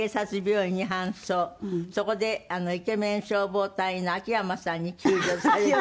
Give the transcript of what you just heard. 「そこでイケメン消防隊のアキヤマさんに救助され」